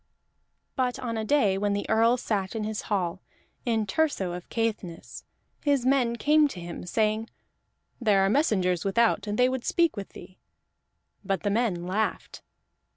But on a day when the Earl sat in his hall, in Thurso of Caithness, his men came to him, saying: "There are messengers without, and they would speak with thee." But the men laughed.